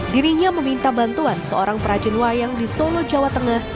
dirinya meminta bantuan seorang perajin wayang di solo jawa tengah